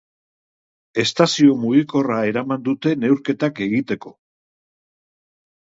Estazio mugikorra eraman dute neurketak egiteko.